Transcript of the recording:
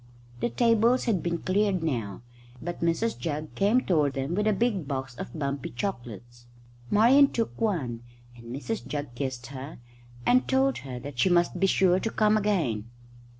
The tables had been cleared now, but Mrs Jugg came toward them with a big box of bumpy chocolates. Marian took one, and Mrs Jugg kissed her and told her that she must be sure to come again.